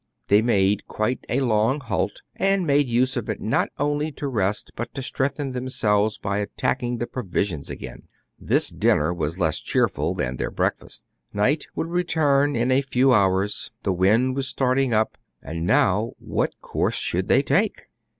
They made quite a long halt, and made use of it not only to take rest, but to strengthen them selves by attacking the provisions again. This dinner was less cheerful than their breakfast. Night would return in a few hours. The wind 238 TRIBULATIONS OF A CHINAMAN, was starting up ; and now what course should they take